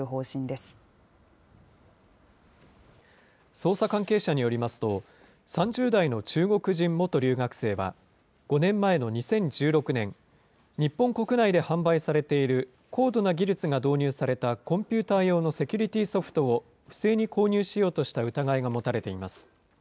捜査関係者によりますと、３０代の中国人元留学生は、５年前の２０１６年、日本国内で販売されている高度な技術が導入されたコンピューター用のセキュリティーソフトを、不正に購入しようとした疑いが持たれています。